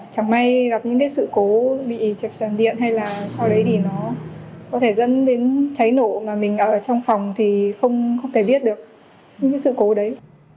chẳng may gặp những cái sự cố bị chập sàn điện hay là sau đấy thì nó có thể dẫn đến cháy nổ mà mình ở trong phòng thì không thể biết được những sự cố đấy